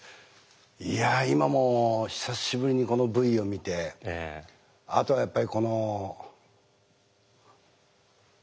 いや今も久しぶりにこのＶを見てあとはやっぱりこの。